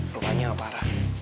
rupanya gak parah